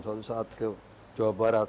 suatu saat ke jawa barat